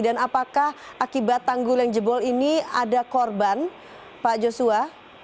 dan apakah akibat tanggul yang jebol ini ada korban pak joshua